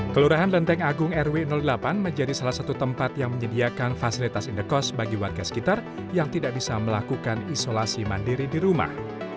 kelurahan lenteng agung rw delapan menjadi salah satu tempat yang menyediakan fasilitas indekos bagi warga sekitar yang tidak bisa melakukan isolasi mandiri di rumah